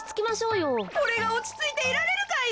これがおちついていられるかいな。